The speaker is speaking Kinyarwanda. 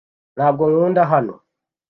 Ntabwo nkunda hano .